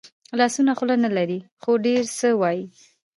لاسونه خوله نه لري خو ډېر څه وايي